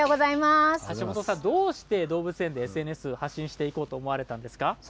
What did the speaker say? どうして動物園でＳＮＳを発信していこうと思ったんですか。